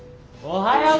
おはよう。